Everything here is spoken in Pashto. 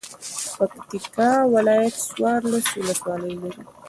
پکتيا ولايت څوارلس ولسوالۍ لری.